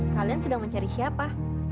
kalian sedang mencari siapa